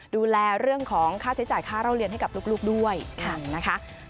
ดูแลเรื่องของค่าใช้จ่ายค่าเล่าเรียนให้กับลูกด้วยนะคะ